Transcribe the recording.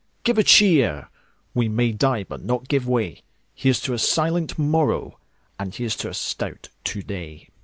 Give a cheer! We may die, but not give way. Here's to a silent morrow, And here's to a stout to day!